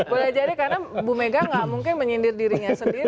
boleh jadi karena bu mega gak mungkin menyindir dirinya sendiri